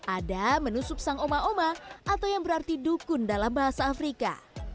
ada menu subsang oma oma atau yang berarti dukun dalam bahasa afrika